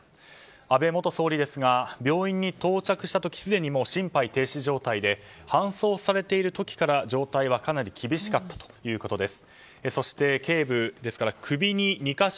安倍元総理ですが病院に到着したときすでに心肺停止状態で搬送されているときから状態はかなり厳しかったということです。